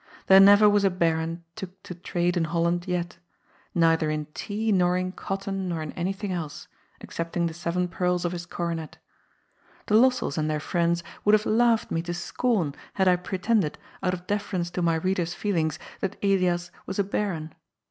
There never was a Baron took to trade in Holland yet, neither in tea nor in cotton nor in anything else, excepting the seven pearls of his coronet The Lossells and their friends would have laughed me to scorn, had I pretended, out of deference to my readers' feelings, that Elias was a Baron.